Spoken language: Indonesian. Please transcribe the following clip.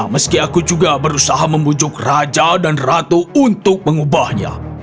meski aku juga berusaha membujuk raja dan ratu untuk mengubahnya